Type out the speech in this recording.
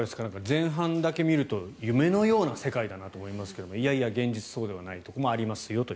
前半だけ見ると夢のような世界だなと思いますが現実、そうでもないところもあると。